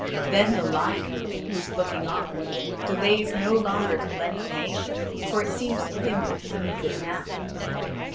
Then the lion, who is looking on, delays no longer to lend him aid; for it seems to him that he needs it now.